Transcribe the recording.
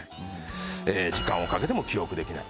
時間をかけても記憶できない。